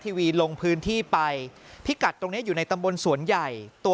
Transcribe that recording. ทีวีลงพื้นที่ไปพิกัดตรงเนี้ยอยู่ในตำบลสวนใหญ่ตัว